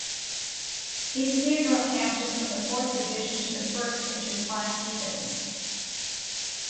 He steered Northampton from the Fourth Division to the First in just five seasons.